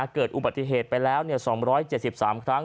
เกิดอุบัติเหตุไปแล้ว๒๗๓ครั้ง